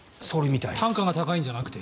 単価が高いんじゃなくて？